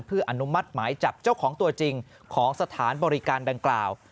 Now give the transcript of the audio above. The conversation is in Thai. เพื่ออนุมัติหมายจับเจ้าของตัวจริงของสถานบริการดังกล่าว